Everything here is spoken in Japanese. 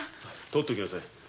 取っておきなさい